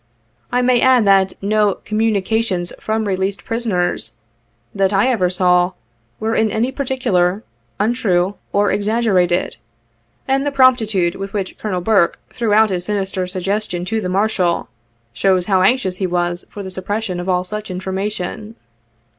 I may add, that no "communications from released prisoners," that I ever saw, were in any particular, untrue or exaggerated, and the promptitude with which Col. Burke threw out his sinister suggestion to the Marshal, shows how anxious he was for the suppression of all such information.